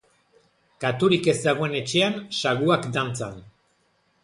Katurik ez dagoen etxean saguak dantzan.